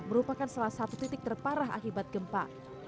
merupakan salah satu titik terparah akibat gempa